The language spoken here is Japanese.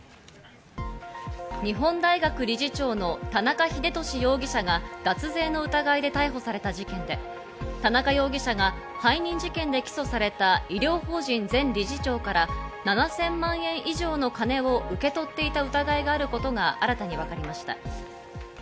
日本大学・理事長の田中英壽容疑者が脱税の疑いで逮捕された事件で田中容疑者が背任事件で起訴された医療法人前理事長から７０００万円以上の金を受け取っていた疑いがあることが新たに分かりました。